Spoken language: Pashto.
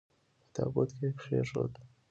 په تابوت کې یې کښېښود.